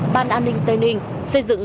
ban an ninh tây ninh xây dựng